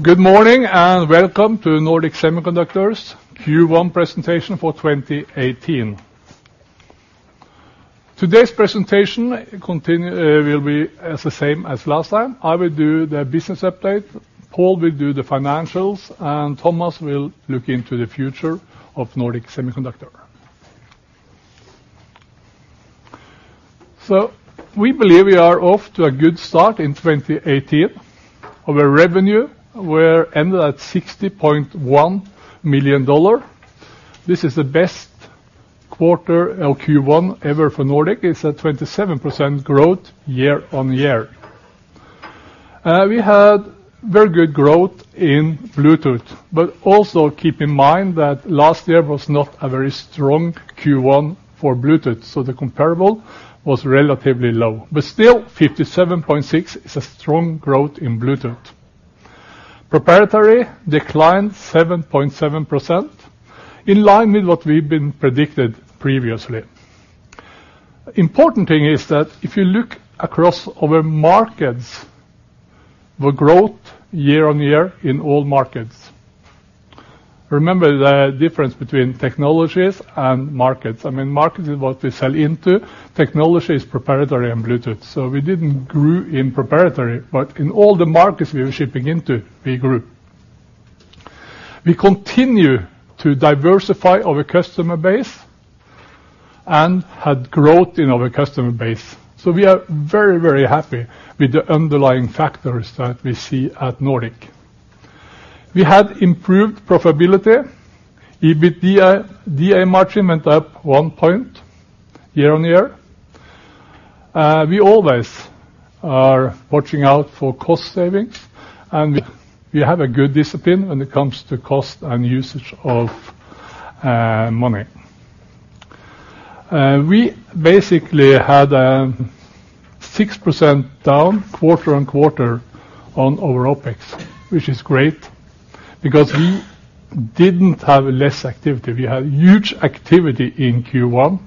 Good morning, welcome to Nordic Semiconductor's Q1 presentation for 2018. Today's presentation will be the same as last time. I will do the business update, Pål will do the financials, Thomas will look into the future of Nordic Semiconductor. We believe we are off to a good start in 2018. Our revenue ended at $60.1 million. This is the best quarter, or Q1, ever for Nordic. It's a 27% growth year-on-year. We had very good growth in Bluetooth, also keep in mind that last year was not a very strong Q1 for Bluetooth, the comparable was relatively low. Still, 57.6 is a strong growth in Bluetooth. Proprietary declined 7.7%, in line with what we've been predicting previously. Important thing is that if you look across our markets, the growth year-on-year in all markets. Remember the difference between technologies and markets. Markets is what we sell into. Technology is proprietary and Bluetooth. We didn't grow in proprietary, in all the markets we were shipping into, we grew. We continue to diversify our customer base, had growth in our customer base. We are very happy with the underlying factors that we see at Nordic. We had improved profitability. EBITDA margin went up 1 point year-on-year. We always are watching out for cost savings, we have a good discipline when it comes to cost and usage of money. We basically had 6% down quarter-on-quarter on our OPEX, which is great because we didn't have less activity. We had huge activity in Q1.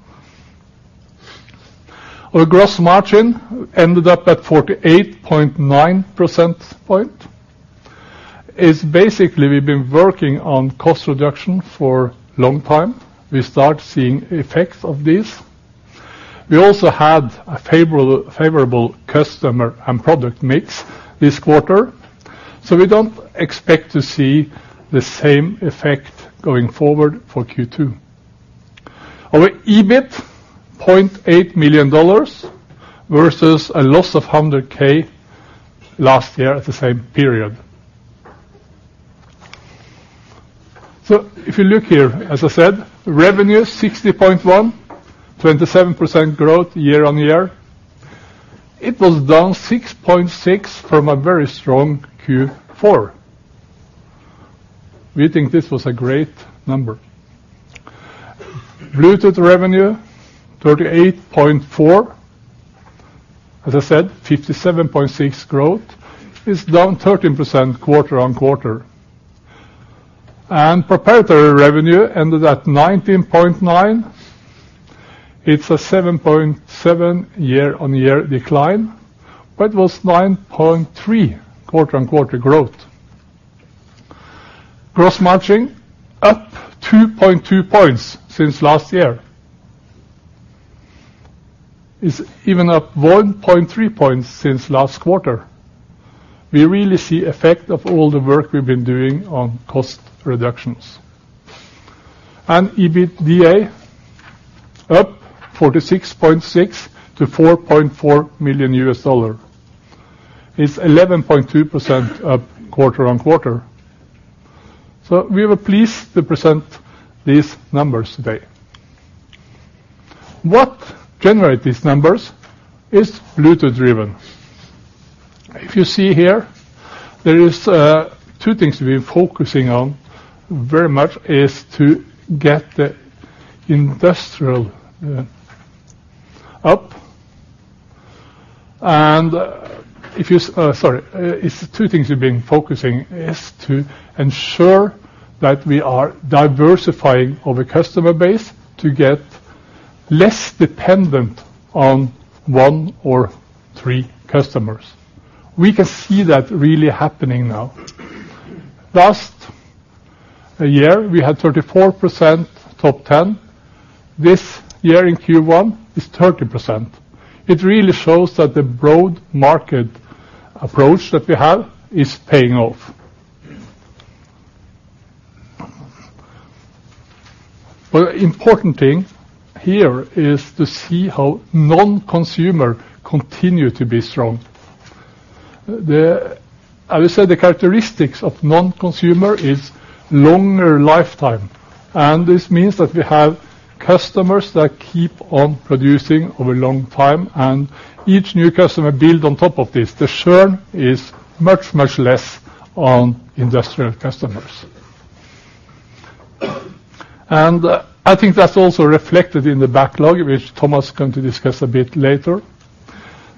Our gross margin ended up at 48.9 percentage point, is basically we've been working on cost reduction for long time. We start seeing effects of this. We had a favorable customer and product mix this quarter. We don't expect to see the same effect going forward for Q2. Our EBIT, $0.8 million versus a loss of $0.1 million last year at the same period. If you look here, as I said, revenue $60.1 million, 27% growth year-on-year. It was down 6.6 from a very strong Q4. We think this was a great number. Bluetooth revenue $38.4 million. As I said, 57.6 growth is down 13% quarter-on-quarter. Proprietary revenue ended at $19.9 million. It's a 7.7 year-on-year decline, was 9.3 quarter-on-quarter growth. Gross margin up 2.2 points since last year, is even up 1.3 points since last quarter. We really see effect of all the work we've been doing on cost reductions. EBITDA up 46.6 to $4.4 million. It's 11.2% up quarter-on-quarter. We were pleased to present these numbers today. What generate these numbers is Bluetooth driven. If you see here, there is 2 things we've been focusing on very much, is to get the industrial up and Sorry. It's 2 things we've been focusing is to ensure that we are diversifying our customer base to get less dependent on 1 or 3 customers. We can see that really happening now. Last year we had 34% top 10. This year in Q1 is 30%. It really shows that the broad market approach that we have is paying off. Important thing here is to see how non-consumer continue to be strong. As I said, the characteristics of non-consumer is longer lifetime, this means that we have customers that keep on producing over long time, each new customer build on top of this. The churn is much less on industrial customers. I think that's also reflected in the backlog, which Thomas is going to discuss a bit later,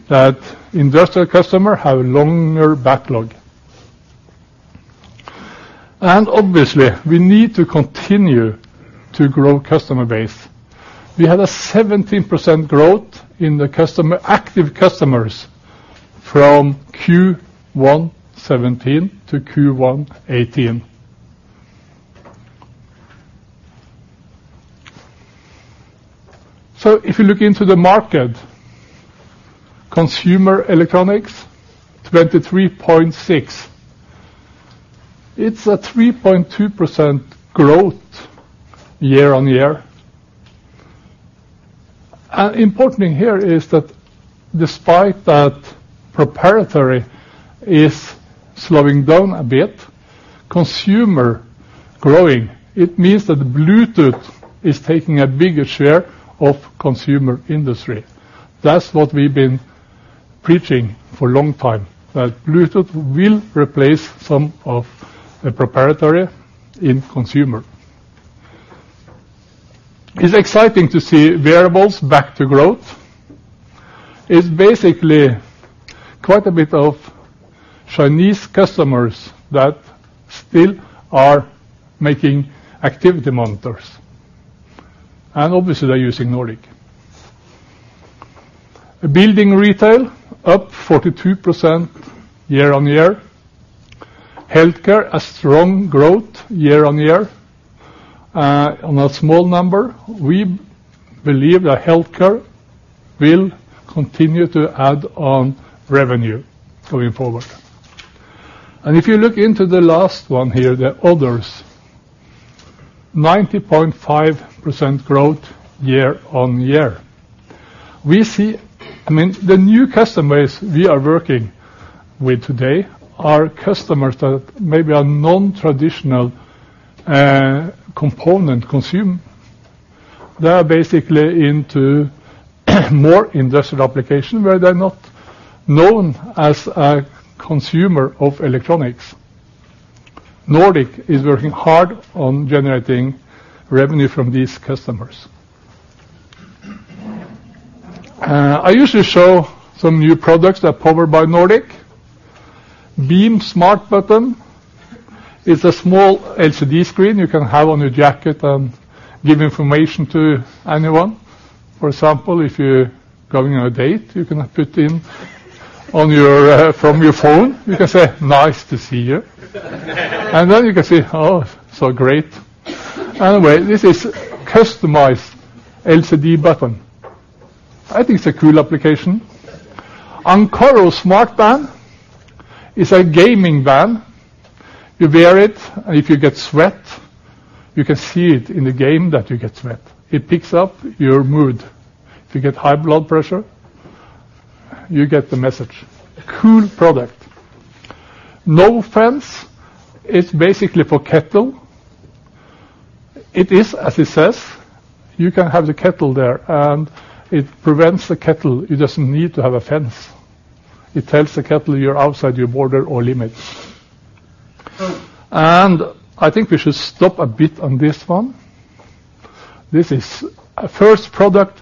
that industrial customer have longer backlog. Obviously, we need to continue to grow customer base. We had a 17% growth in the active customers from Q1 2017 to Q1 2018. If you look into the market, consumer electronics, 23.6. It's a 3.2% growth year-on-year. Important thing here is that despite that proprietary is slowing down a bit, consumer growing, it means that Bluetooth is taking a bigger share of consumer industry. That's what we've been preaching for a long time, that Bluetooth will replace some of the proprietary in consumer. It's exciting to see wearables back to growth. It's basically quite a bit of Chinese customers that still are making activity monitors, and obviously, they're using Nordic. Building retail, up 42% year-on-year. Healthcare, a strong growth year-on-year, on a small number. We believe that healthcare will continue to add on revenue going forward. If you look into the last one here, the others, 19.5% growth year-on-year. The new customers we are working with today are customers that maybe are non-traditional component consume. They are basically into more industrial application where they're not known as a consumer of electronics. Nordic is working hard on generating revenue from these customers. I usually show some new products that are powered by Nordic. BEAM Smart Button is a small LCD screen you can have on your jacket and give information to anyone. For example, if you're going on a date, you can put in from your phone. You can say, "Nice to see you." Then you can say, "Oh, so great." Anyway, this is customized LCD button. I think it's a cool application. [inaudible] Smartband is a gaming band. You wear it, and if you get sweat, you can see it in the game that you get sweat. It picks up your mood. If you get high blood pressure, you get the message. A cool product. Nofence is basically for cattle. It is as it says, you can have the cattle there, and it prevents the cattle. It doesn't need to have a fence. It tells the cattle you're outside your border or limits. I think we should stop a bit on this one. This is a first product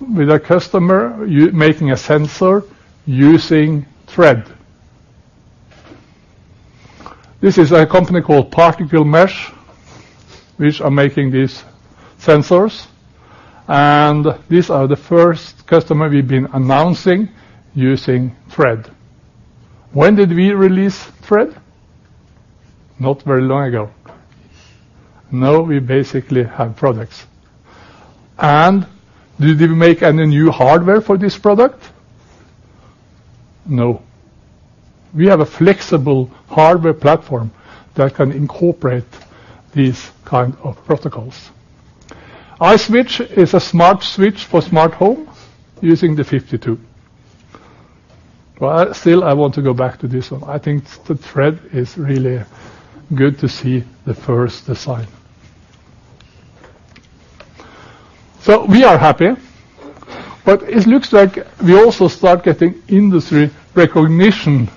with a customer making a sensor using Thread. This is a company called Particle Mesh, which are making these sensors, and these are the first customer we've been announcing using Thread. When did we release Thread? Not very long ago. Now we basically have products. Did we make any new hardware for this product? No. We have a flexible hardware platform that can incorporate these kind of protocols. iSwitch is a smart switch for smart homes using the 52. Still, I want to go back to this one. I think the Thread is really good to see the first sign. We are happy, but it looks like we also start getting industry recognition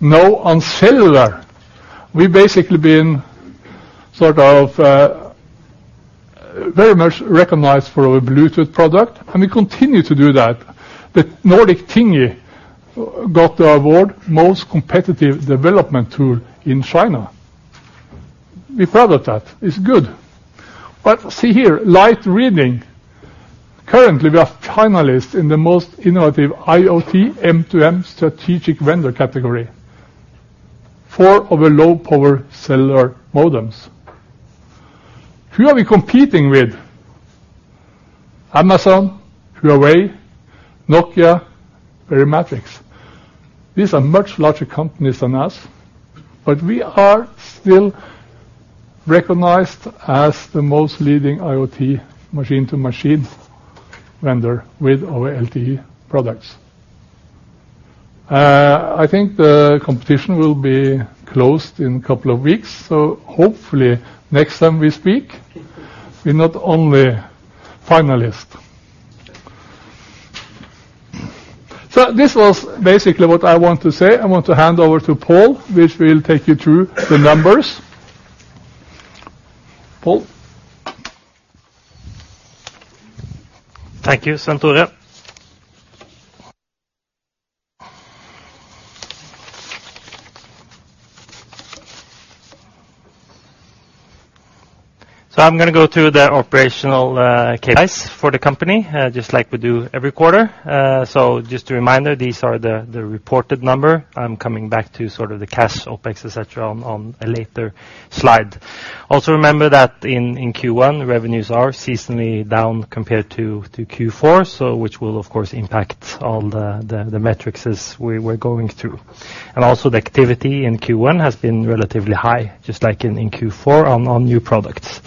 now on cellular. We've basically been very much recognized for our Bluetooth product, and we continue to do that. The Nordic Thingy:52 got the award Most Competitive Development Tool in China. We proud of that. It's good. See here, Light Reading. Currently, we are finalists in the Most Innovative IoT M2M Strategic Vendor category for our low-power cellular modems. Who are we competing with? Amazon, Huawei, Nokia, Verimatrix. These are much larger companies than us, but we are still recognized as the most leading IoT machine-to-machine vendor with our LTE products. I think the competition will be closed in a couple of weeks, so hopefully next time we speak, we're not only finalists. This was basically what I want to say. I want to hand over to Pål, which will take you through the numbers. Pål? Thank you, Svenn-Tore. I'm going to go through the operational KPIs for the company, just like we do every quarter. Just a reminder, these are the reported number. I'm coming back to the cash OPEX, et cetera, on a later slide. Also remember that in Q1, revenues are seasonally down compared to Q4, which will, of course, impact all the metrics as we're going through. Also the activity in Q1 has been relatively high, just like in Q4 on new products.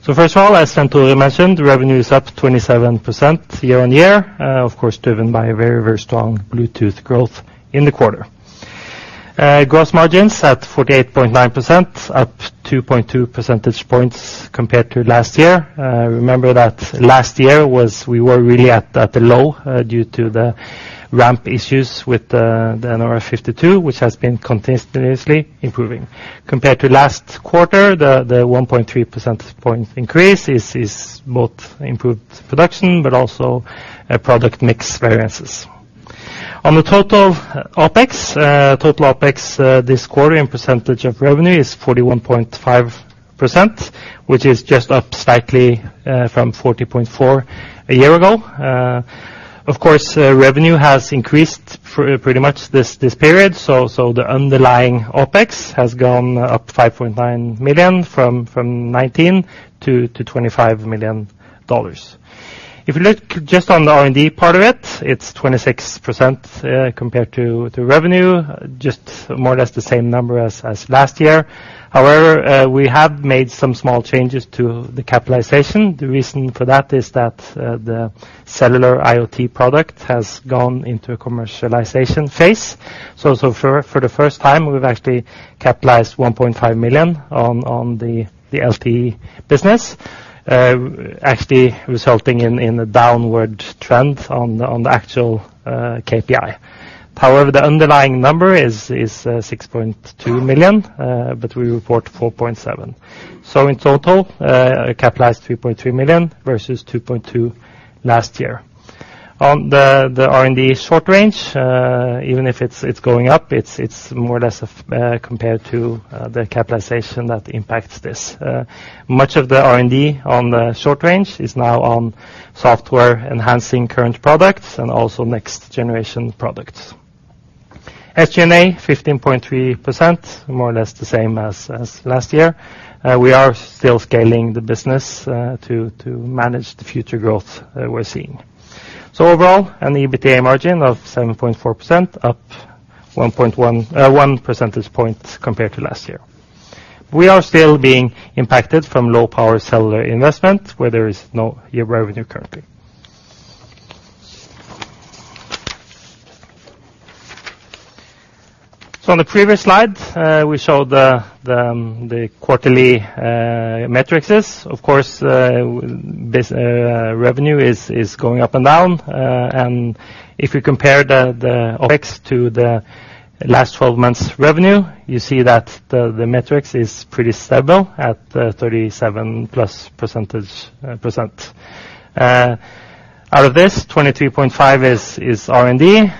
First of all, as Svenn-Tore mentioned, revenue is up 27% year-on-year, of course, driven by very strong Bluetooth growth in the quarter. Gross margins at 48.9%, up 2.2 percentage points compared to last year. Remember that last year we were really at the low due to the ramp issues with the nRF52, which has been continuously improving. Compared to last quarter, the 1.3% point increase is both improved production but also product mix variances. On the total OPEX this quarter and percentage of revenue is 41.5%, which is just up slightly from 40.4% a year ago. Of course, revenue has increased pretty much this period. The underlying OPEX has gone up $5.9 million from $19 million-$25 million. If you look just on the R&D part of it's 26% compared to revenue, just more or less the same number as last year. However, we have made some small changes to the capitalization. The reason for that is that the cellular IoT product has gone into a commercialization phase. For the first time, we've actually capitalized $1.5 million on the LTE business, actually resulting in a downward trend on the actual KPI. However, the underlying number is $6.2 million, but we report $4.7 million. In total, capitalized $3.3 million versus $2.2 million last year. On the R&D short range, even if it's going up, it's more or less compared to the capitalization that impacts this. Much of the R&D on the short range is now on software enhancing current products and also next generation products. SG&A 15.3%, more or less the same as last year. We are still scaling the business to manage the future growth that we're seeing. Overall, an EBITDA margin of 7.4%, up one percentage point compared to last year. We are still being impacted from low-power cellular investment where there is no year revenue currently. On the previous slide, we showed the quarterly metrics. Of course, revenue is going up and down. If you compare the OPEX to the last 12 months revenue, you see that the metrics is pretty stable at 37+%. Out of this, 23.5% is R&D.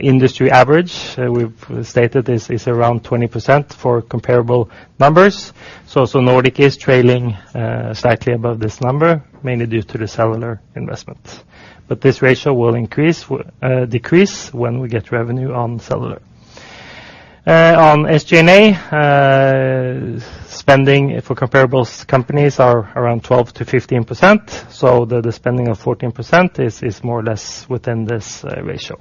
Industry average, we've stated, is around 20% for comparable numbers. Nordic is trailing slightly above this number, mainly due to the cellular investment. This ratio will decrease when we get revenue on cellular. On SG&A, spending for comparable companies is around 12%-15%. The spending of 14% is more or less within this ratio.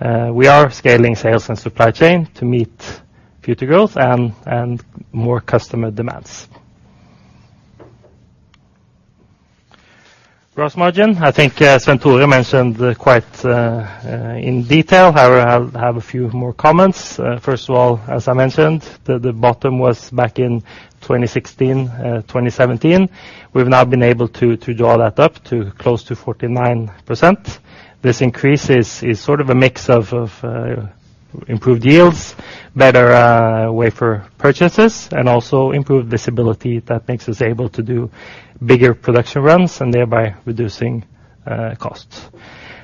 We are scaling sales and supply chain to meet future growth and more customer demands. Gross margin, I think Svenn-Tore mentioned quite in detail. However, I have a few more comments. First of all, as I mentioned, the bottom was back in 2016, 2017. We've now been able to draw that up to close to 49%. This increase is a mix of improved yields, better wafer purchases, and also improved visibility that makes us able to do bigger production runs and thereby reducing costs.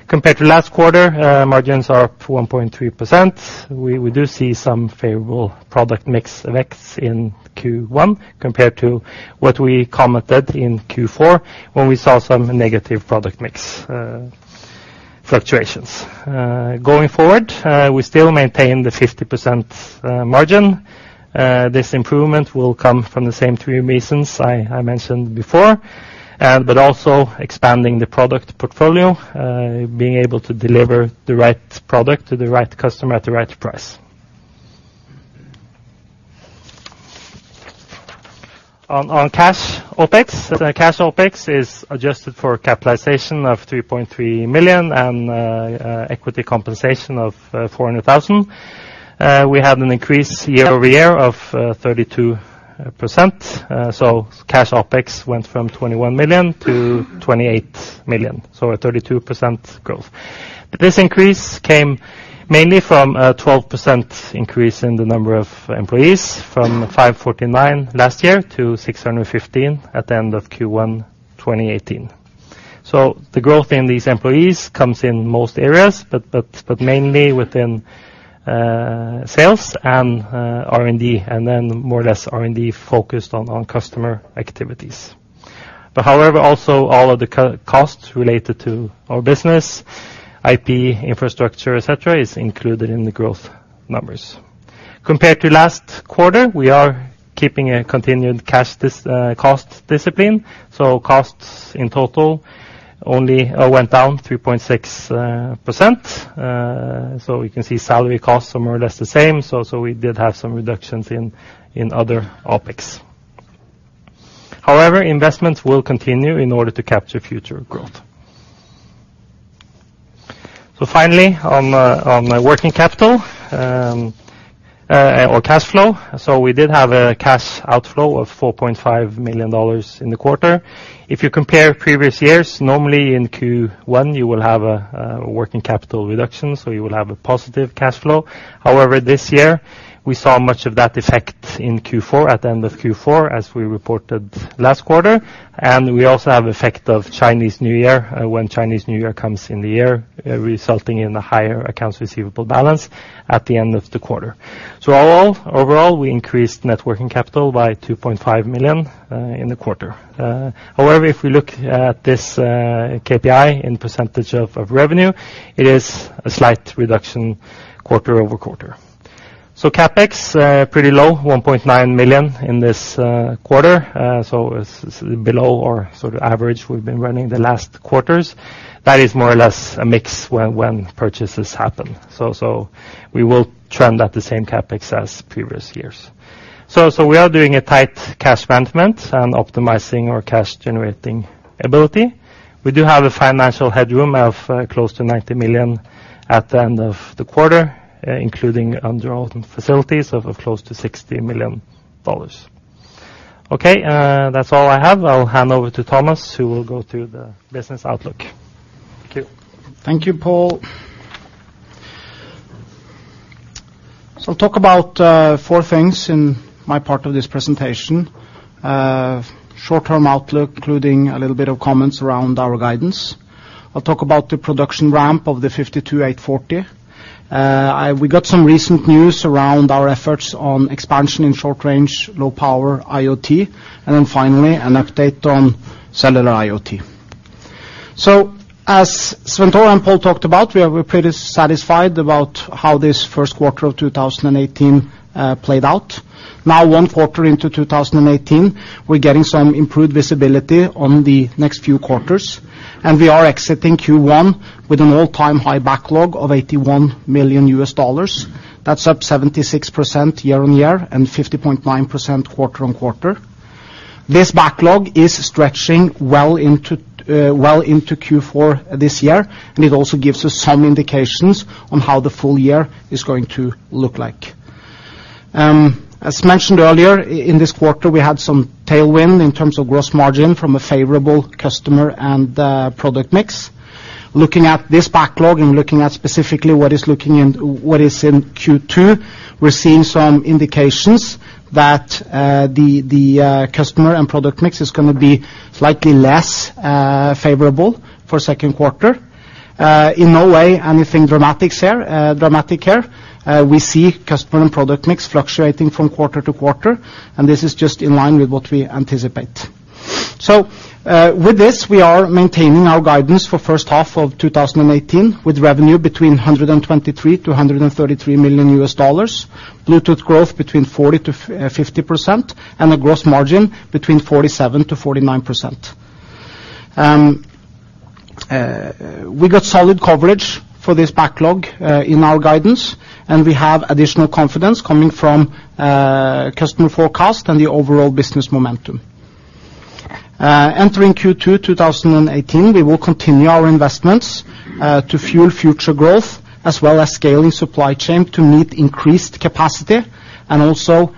Compared to last quarter, margins are up 1.3%. We do see some favorable product mix effects in Q1 compared to what we commented in Q4 when we saw some negative product mix fluctuations. Going forward, we still maintain the 50% margin. This improvement will come from the same three reasons I mentioned before, but also expanding the product portfolio, being able to deliver the right product to the right customer at the right price. On cash OPEX. Cash OPEX is adjusted for capitalization of $3.3 million and equity compensation of $400,000. We had an increase year-over-year of 32%. Cash OPEX went from $21 million to $28 million. A 32% growth. This increase came mainly from a 12% increase in the number of employees from 549 last year to 615 at the end of Q1 2018. The growth in these employees comes in most areas, but mainly within sales and R&D, and then more or less R&D focused on customer activities. However, also all of the costs related to our business, IP, infrastructure, et cetera, is included in the growth numbers. Compared to last quarter, we are keeping a continued cost discipline, so costs in total only went down 3.6%. We can see salary costs more or less the same. We did have some reductions in other OPEX. However, investments will continue in order to capture future growth. Finally, on working capital or cash flow. We did have a cash outflow of $4.5 million in the quarter. If you compare previous years, normally in Q1, you will have a working capital reduction, so you will have a positive cash flow. However, this year, we saw much of that effect in Q4, at the end of Q4 as we reported last quarter. We also have effect of Chinese New Year, when Chinese New Year comes in the year, resulting in a higher accounts receivable balance at the end of the quarter. Overall, we increased net working capital by $2.5 million in the quarter. However, if we look at this KPI in percentage of revenue, it is a slight reduction quarter-over-quarter. CapEx, pretty low, $1.9 million in this quarter. It's below our average we've been running the last quarters. That is more or less a mix when purchases happen. We will trend at the same CapEx as previous years. We are doing a tight cash management and optimizing our cash generating ability. We do have a financial headroom of close to $90 million at the end of the quarter, including undrawn facilities of close to $60 million. That's all I have. I'll hand over to Thomas, who will go through the business outlook. Thank you. Thank you, Pål. I'll talk about four things in my part of this presentation. Short-term outlook, including a little bit of comments around our guidance. I'll talk about the production ramp of the 52840. We got some recent news around our efforts on expansion in short range, low power IoT, and then finally, an update on cellular IoT. As Svenn-Tore and Pål talked about, we are pretty satisfied about how this first quarter of 2018 played out. Now, one quarter into 2018, we're getting some improved visibility on the next few quarters, and we are exiting Q1 with an all-time high backlog of $81 million. That's up 76% year-over-year and 50.9% quarter-over-quarter. This backlog is stretching well into Q4 this year, and it also gives us some indications on how the full year is going to look like. As mentioned earlier, in this quarter, we had some tailwind in terms of gross margin from a favorable customer and product mix. Looking at this backlog and looking at specifically what is in Q2, we're seeing some indications that the customer and product mix is going to be slightly less favorable for second quarter. In no way anything dramatic here. We see customer and product mix fluctuating from quarter-to-quarter, and this is just in line with what we anticipate. With this, we are maintaining our guidance for first half of 2018 with revenue between $123 million-$133 million, Bluetooth growth between 40%-50%, and a gross margin between 47%-49%. We got solid coverage for this backlog in our guidance, and we have additional confidence coming from customer forecast and the overall business momentum. Entering Q2 2018, we will continue our investments to fuel future growth as well as scaling supply chain to meet increased capacity and also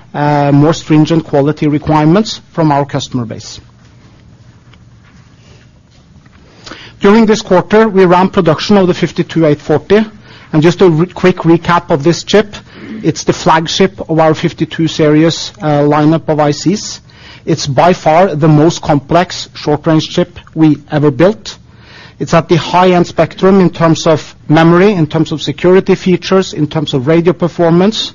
more stringent quality requirements from our customer base. During this quarter, we ran production of the 52840, and just a quick recap of this chip. It's the flagship of our 52 series lineup of ICs. It's by far the most complex short range chip we ever built. It's at the high-end spectrum in terms of memory, in terms of security features, in terms of radio performance.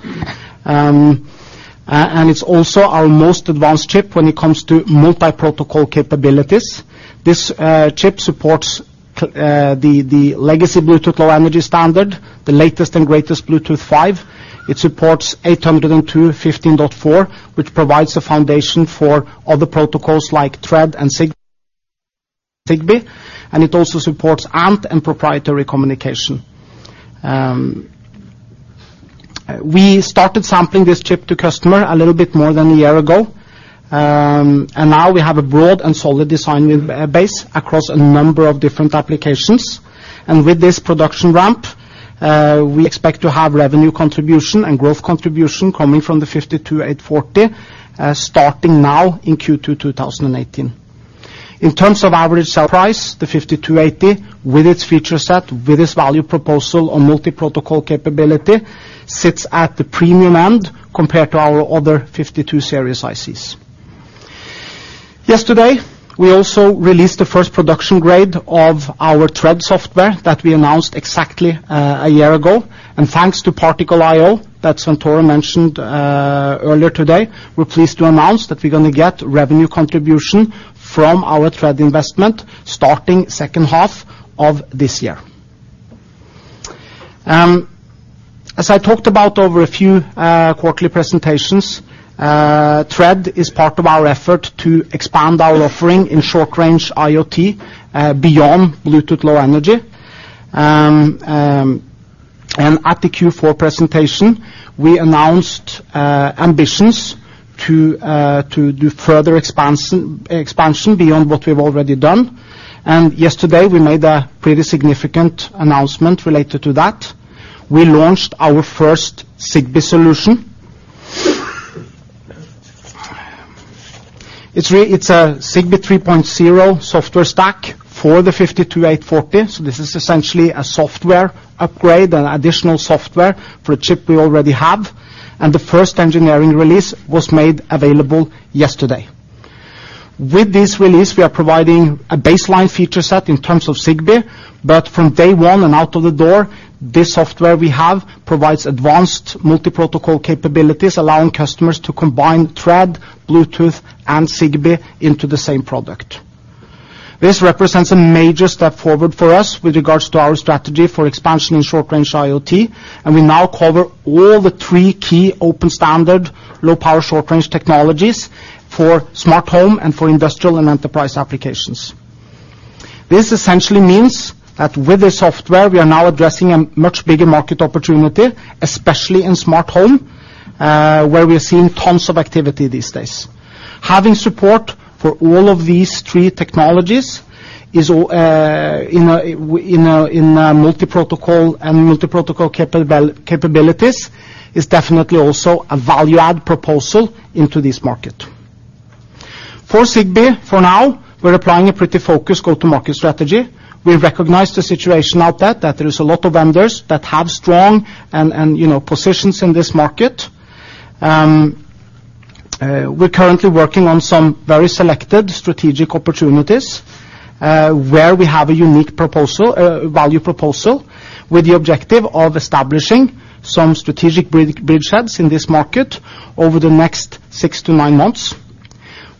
It's also our most advanced chip when it comes to multi-protocol capabilities. This chip supports the legacy Bluetooth Low Energy standard, the latest and greatest Bluetooth 5. It supports 802.15.4, which provides a foundation for other protocols like Thread and Zigbee, and it also supports ANT and proprietary communication. We started sampling this chip to customer a little bit more than a year ago. Now we have a broad and solid design base across a number of different applications. With this production ramp, we expect to have revenue contribution and growth contribution coming from the 52840, starting now in Q2 2018. In terms of average sale price, the nRF52840 with its feature set, with its value proposal on multi-protocol capability, sits at the premium end compared to our other 52 series ICs. Yesterday, we also released the first production grade of our Thread software that we announced exactly a year ago. Thanks to Particle.io, that Svenn-Tore mentioned earlier today, we're pleased to announce that we're going to get revenue contribution from our Thread investment starting second half of this year. As I talked about over a few quarterly presentations, Thread is part of our effort to expand our offering in short range IoT beyond Bluetooth Low Energy. At the Q4 presentation, we announced ambitions to do further expansion beyond what we've already done. Yesterday, we made a pretty significant announcement related to that. We launched our first Zigbee solution. It's a Zigbee 3.0 software stack for the 52840. This is essentially a software upgrade, an additional software for a chip we already have. The first engineering release was made available yesterday. With this release, we are providing a baseline feature set in terms of Zigbee, but from day one and out of the door, this software we have provides advanced multi-protocol capabilities, allowing customers to combine Thread, Bluetooth, and Zigbee into the same product. This represents a major step forward for us with regards to our strategy for expansion in short range IoT. We now cover all the three key open standard low power short range technologies for smart home and for industrial and enterprise applications. This essentially means that with this software, we are now addressing a much bigger market opportunity, especially in smart home, where we are seeing tons of activity these days. Having support for all of these three technologies in a multi-protocol and multi-protocol capabilities is definitely also a value add proposal into this market. For Zigbee, for now, we're applying a pretty focused go-to-market strategy. We recognize the situation out there, that there is a lot of vendors that have strong positions in this market. We're currently working on some very selected strategic opportunities, where we have a unique value proposal with the objective of establishing some strategic bridgeheads in this market over the next six to nine months.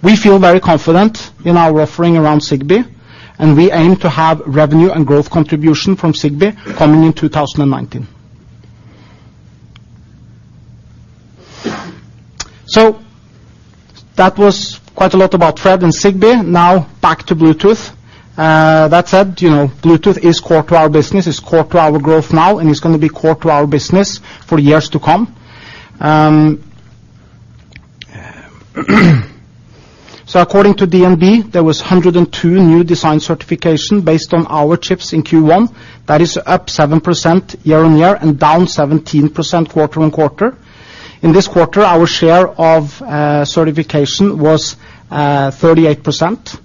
We feel very confident in our offering around Zigbee. We aim to have revenue and growth contribution from Zigbee coming in 2019. That was quite a lot about Thread and Zigbee. Now back to Bluetooth. That said, Bluetooth is core to our business, is core to our growth now, and is going to be core to our business for years to come. According to DNB, there was 102 new design certification based on our chips in Q1. That is up 7% year-on-year and down 17% quarter-on-quarter. In this quarter, our share of certification was 38%.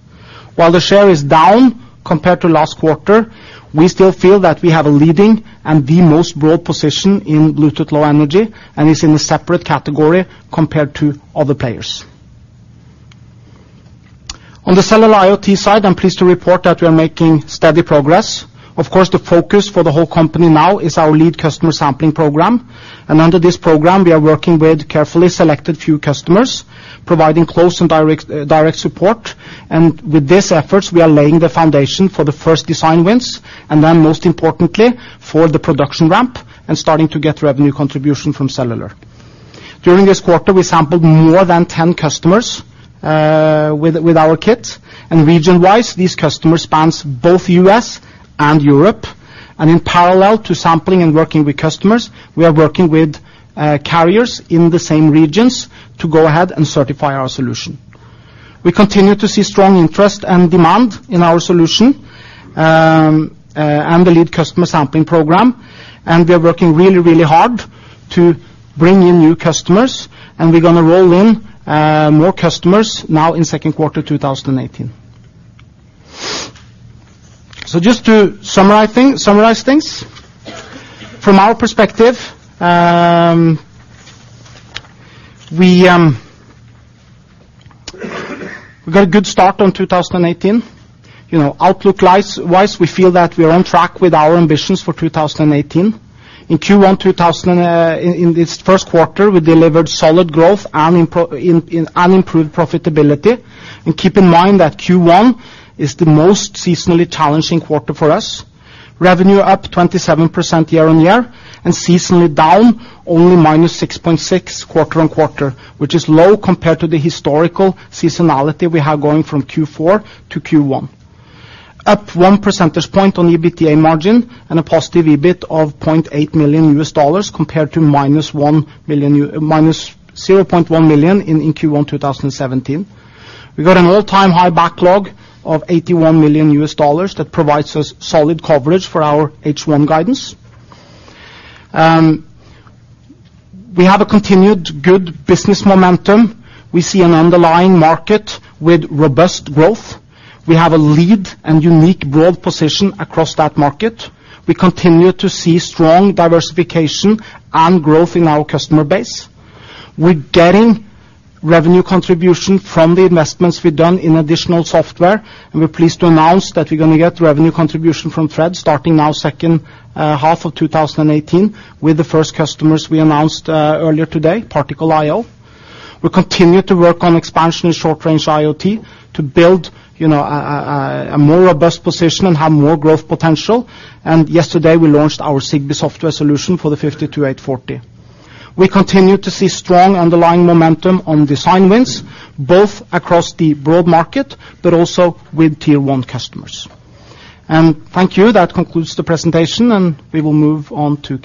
While the share is down compared to last quarter, we still feel that we have a leading and the most broad position in Bluetooth Low Energy, and is in a separate category compared to other players. On the cellular IoT side, I'm pleased to report that we are making steady progress. Of course, the focus for the whole company now is our lead customer sampling program. Under this program, we are working with carefully selected few customers, providing close and direct support. With these efforts, we are laying the foundation for the first design wins, then most importantly, for the production ramp and starting to get revenue contribution from cellular. During this quarter, we sampled more than 10 customers with our kit. Region-wise, these customers spans both U.S. and Europe. In parallel to sampling and working with customers, we are working with carriers in the same regions to go ahead and certify our solution. We continue to see strong interest and demand in our solution, and the lead customer sampling program. We are working really, really hard to bring in new customers, and we're going to roll in more customers now in second quarter 2018. Just to summarize things, from our perspective, we got a good start on 2018. Outlook-wise, we feel that we are on track with our ambitions for 2018. In this first quarter, we delivered solid growth and improved profitability. Keep in mind that Q1 is the most seasonally challenging quarter for us. Revenue up 27% year-on-year and seasonally down only -6.6% quarter-on-quarter, which is low compared to the historical seasonality we have going from Q4 to Q1. Up one percentage point on EBITDA margin and a positive EBIT of $0.8 million compared to -$0.1 million in Q1 2017. We got an all-time high backlog of $81 million that provides us solid coverage for our H1 guidance. We have a continued good business momentum. We see an underlying market with robust growth. We have a lead and unique broad position across that market. We continue to see strong diversification and growth in our customer base. We're getting revenue contribution from the investments we've done in additional software. We're pleased to announce that we're going to get revenue contribution from Thread starting now second half of 2018 with the first customers we announced earlier today, Particle.io. We continue to work on expansion in short range IoT to build a more robust position and have more growth potential. Yesterday, we launched our Zigbee software solution for the nRF52840. We continue to see strong underlying momentum on design wins, both across the broad market, but also with tier 1 customers. Thank you. That concludes the presentation, and we will move on to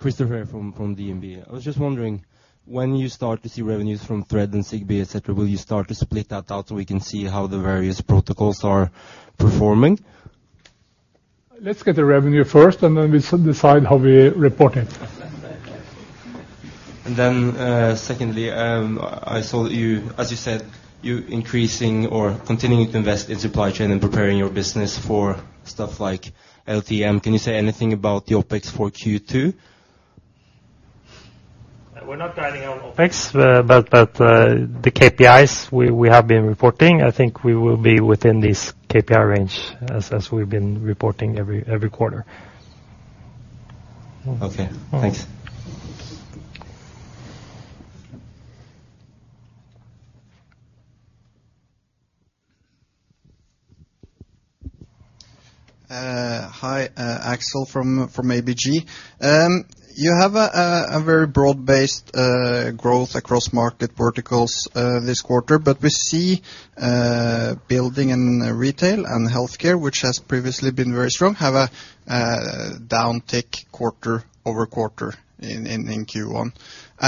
Q&A. Christoffer from DNB. I was just wondering, when you start to see revenues from Thread and Zigbee, et cetera, will you start to split that out so we can see how the various protocols are performing? Let's get the revenue first, we decide how we report it. Secondly, I saw, as you said, you're increasing or continuing to invest in supply chain and preparing your business for stuff like LTE-M. Can you say anything about the OPEX for Q2? We're not guiding on OPEX. The KPIs we have been reporting, I think we will be within this KPI range as we've been reporting every quarter. Okay, thanks. Hi, Axel from ABG. You have a very broad-based growth across market verticals this quarter, but we see building and retail and healthcare, which has previously been very strong, have a downtick quarter-over-quarter in Q1.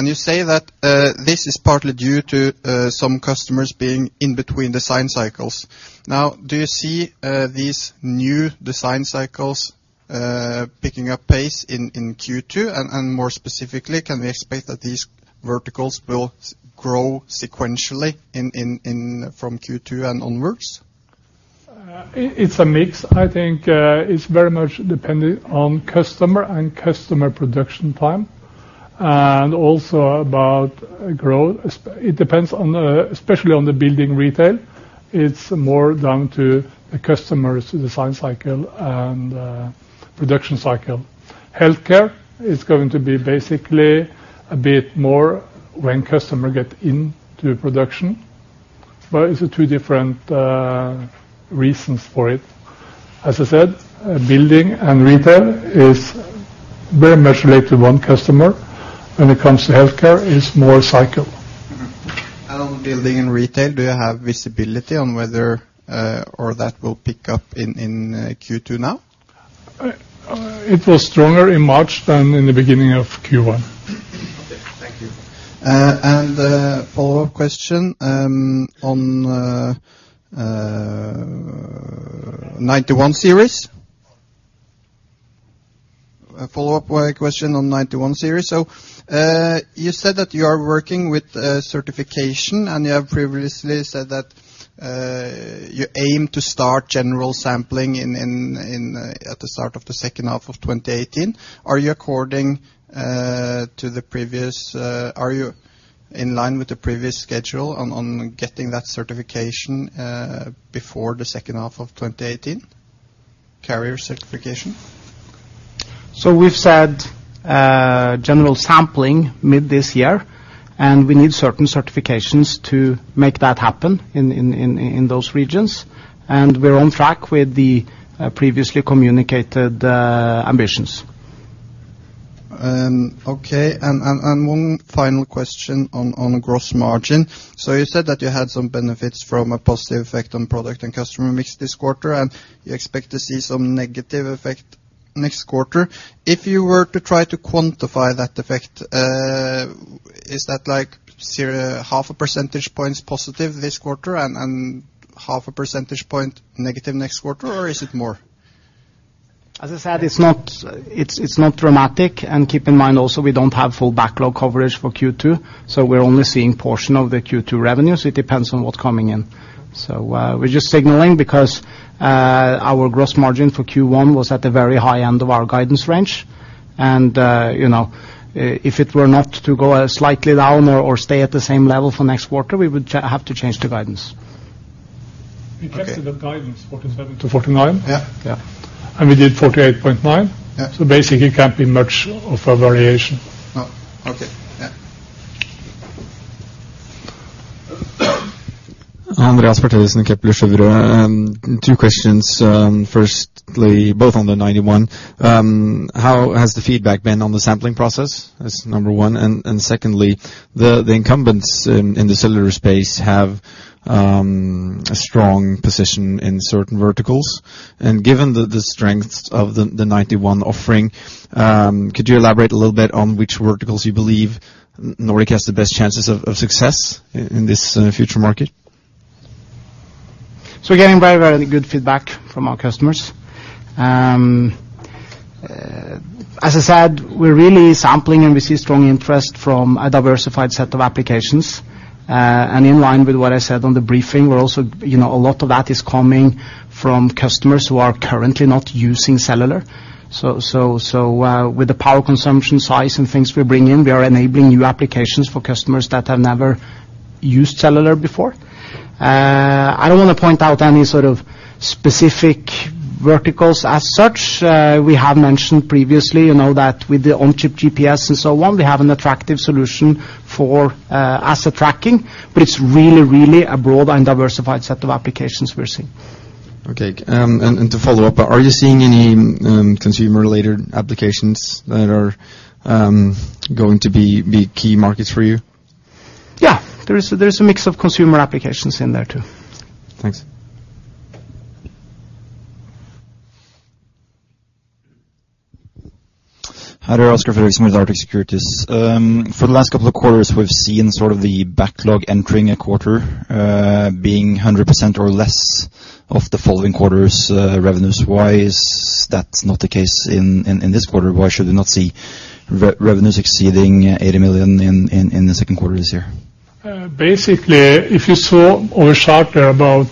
You say that this is partly due to some customers being in between design cycles. Do you see these new design cycles picking up pace in Q2? More specifically, can we expect that these verticals will grow sequentially from Q2 and onwards? It's a mix. I think it's very much dependent on customer and customer production time, and also about growth. It depends especially on the building retail. It's more down to the customer's design cycle and production cycle. Healthcare is going to be basically a bit more when customer get into production. It's two different reasons for it. As I said, building and retail is very much related to one customer. When it comes to healthcare, it's more cycle. Mm-hmm. On building and retail, do you have visibility on whether or that will pick up in Q2 now? It was stronger in March than in the beginning of Q1. Okay, thank you. A follow-up question on nRF91 Series. You said that you are working with certification, and you have previously said that you aim to start general sampling at the start of the second half of 2018. Are you in line with the previous schedule on getting that certification before the second half of 2018? Carrier certification. We've said general sampling mid this year, and we need certain certifications to make that happen in those regions. We're on track with the previously communicated ambitions. Okay. One final question on gross margin. You said that you had some benefits from a positive effect on product and customer mix this quarter, and you expect to see some negative effect next quarter. If you were to try to quantify that effect, is that half a percentage points positive this quarter and half a percentage point negative next quarter, or is it more? As I said, it's not dramatic. Keep in mind also, we don't have full backlog coverage for Q2, we're only seeing portion of the Q2 revenue, it depends on what's coming in. We're just signaling because our gross margin for Q1 was at the very high end of our guidance range. If it were not to go slightly down or stay at the same level for next quarter, we would have to change the guidance. We tested the guidance 47%-49%. Yeah. We did 48.9%. Yeah. Basically, it can't be much of a variation. Oh, okay. Yeah. Andreas Bertheussen, Kepler Cheuvreux. Two questions. Firstly, both on the 91. How has the feedback been on the sampling process? That's number one. Secondly, the incumbents in the cellular space have a strong position in certain verticals. Given the strength of the 91 offering, could you elaborate a little bit on which verticals you believe Nordic has the best chances of success in this future market? We're getting very good feedback from our customers. As I said, we're really sampling, and we see strong interest from a diversified set of applications. In line with what I said on the briefing, a lot of that is coming from customers who are currently not using cellular. With the power consumption size and things we're bringing, we are enabling new applications for customers that have never used cellular before. I don't want to point out any sort of specific verticals as such. We have mentioned previously, that with the on-chip GPS and so on, we have an attractive solution for asset tracking, but it's really a broad and diversified set of applications we're seeing. Okay. To follow up, are you seeing any consumer-related applications that are going to be key markets for you? There's a mix of consumer applications in there, too. Thanks. Hi there. Oscar Fredriksson with Arctic Securities. For the last couple of quarters, we've seen sort of the backlog entering a quarter being 100% or less of the following quarters' revenues. Why is that not the case in this quarter? Why should we not see revenues exceeding $80 million in the second quarter this year? If you saw our chart there about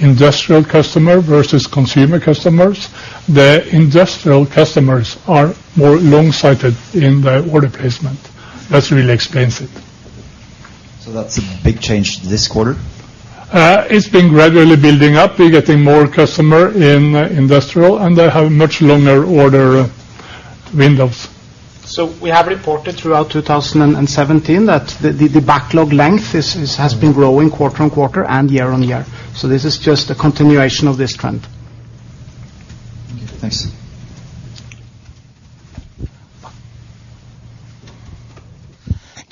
industrial customer versus consumer customers, the industrial customers are more long-sighted in their order placement. That really explains it. That's a big change this quarter? It's been regularly building up. We're getting more customer in industrial, and they have much longer order windows. We have reported throughout 2017 that the backlog length has been growing quarter on quarter and year on year. This is just a continuation of this trend. Thank you. Thanks.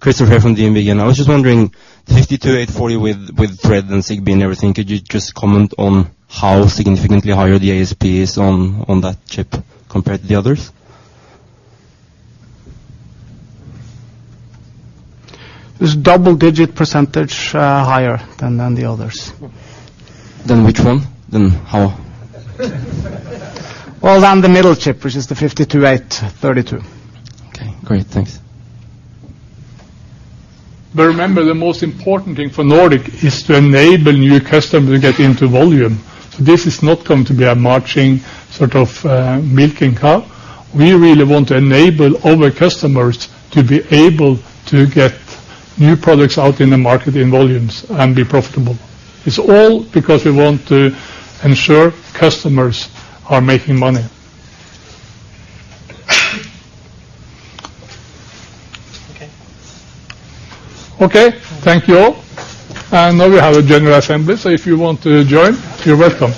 Christoffer from DNB again. I was just wondering, 52840 with Thread and Zigbee and everything, could you just comment on how significantly higher the ASP is on that chip compared to the others? It's double-digit % higher than the others. Than which one? Than our Well, than the middle chip, which is the nRF52832. Okay, great. Thanks. Remember, the most important thing for Nordic is to enable new customers to get into volume. This is not going to be a marching sort of milking cow. We really want to enable our customers to be able to get new products out in the market in volumes and be profitable. It's all because we want to ensure customers are making money. Okay. Okay. Thank you all. Now we have a general assembly, so if you want to join, you're welcome.